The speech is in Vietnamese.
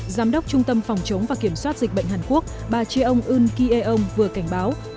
giám đốc trung tâm phòng chống và kiểm soát dịch bệnh hàn quốc bà chê ông un ki ê ông vừa cảnh báo